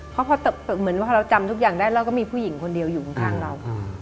เพราะพอเหมือนว่าเราจำทุกอย่างได้เราก็มีผู้หญิงคนเดียวอยู่ข้างเรา